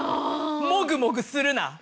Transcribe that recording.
もぐもぐするな！